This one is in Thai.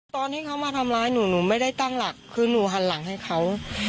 ตอนที่เขามาทำร้ายหนูหนูไม่ได้ตั้งหลักคือหนูหันหลังให้เขา